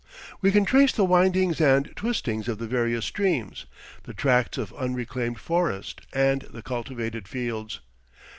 We can trace the windings and twistings of the various streams, the tracts of unreclaimed forest, and the cultivated fields.